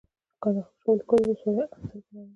د کندهار شاولیکوټ ولسوالۍ انځر په نام دي.